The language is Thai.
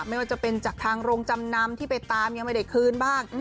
ไม่ว่าจะเป็นจากทางโรงจำนำที่ไปตามยังไม่ได้คืนบ้าง